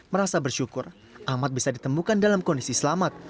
merasa bersyukur ahmad bisa ditemukan dalam kondisi selamat